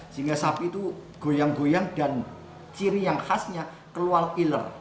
sehingga sapi itu goyang goyang dan ciri yang khasnya keluar iler